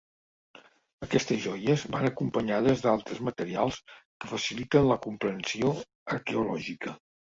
Aquestes joies van acompanyades d'altres materials que faciliten la comprensió arqueològica.